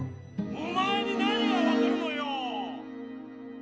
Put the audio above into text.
おまえに何がわかるのよ！